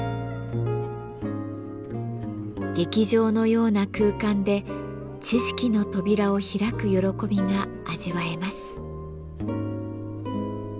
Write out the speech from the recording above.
劇場のような空間で知識の扉を開く喜びが味わえます。